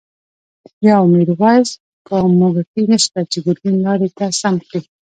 يو” ميرويس ” په موږکی نشته، چی ګر ګين لاری ته سم کړی